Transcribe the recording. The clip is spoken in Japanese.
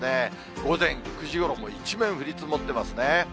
午前９時ごろ、もう一面降り積もってますね。